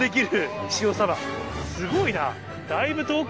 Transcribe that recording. すごいな。